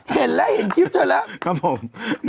เห็นแล้วเห็นคลิปเธอแล้ว